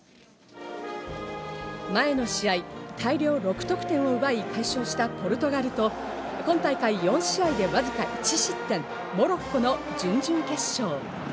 前の試合、大量６得点を奪い快勝したポルトガルと今大会４試合で、わずか１失点、モロッコの準々決勝。